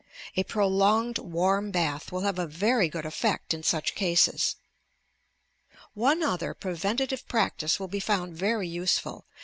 A prolonged warm bath will have a very good effect in such cases. One other preventative practice will be found very useful.